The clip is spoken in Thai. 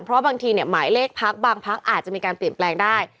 เพราะบางทีหมายเลขพักบางพักอาจจะมีการเปลี่ยนแปลงได้